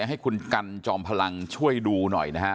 ให้คุณกันจอมพลังช่วยดูหน่อยนะฮะ